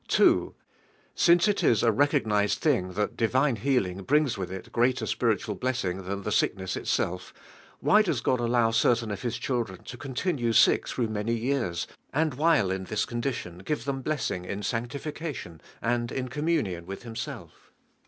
(2) Since it is a recog nisi d tiling that divine healing brings with it greater spiritual blessing than the sickness itself, why does God allow cer tain 'of His children to continue sick through many years, and while in this condition give them blessing in sanctifi cation, and in communion with Himself?